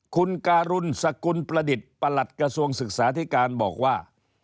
คุณการุณสกุลประดิษฐ์ประหลัดกระทรวงศึกษาธิการบอกว่า